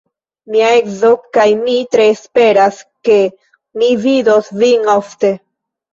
Mia edzo kaj mi tre esperas, ke ni vidos vin ofte.